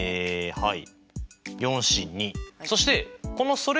はい。